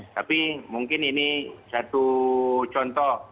tapi mungkin ini satu contoh